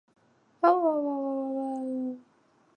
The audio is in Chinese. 基纳巴卢山国家公园是沙巴最受欢迎的景点之一。